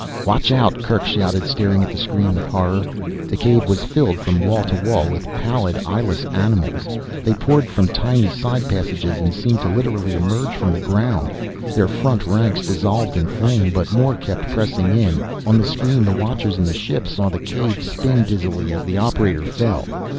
"Watch out!" Kerk shouted, staring at the screen with horror. The cave was filled from wall to wall with pallid, eyeless animals. They poured from tiny side passages and seemed to literally emerge from the ground. Their front ranks dissolved in flame, but more kept pressing in. On the screen the watchers in the ship saw the cave spin dizzily as the operator fell.